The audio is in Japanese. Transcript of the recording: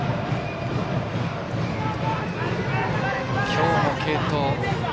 今日も継投。